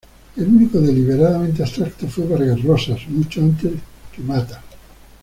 El único deliberadamente abstracto fue Vargas Rosas, mucho antes que Matta".